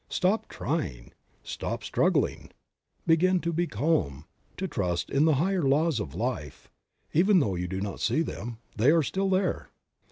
Stop trying, stop struggling, begin to be calm, to trust in the higher laws of life, even though you do not see them; they are still there.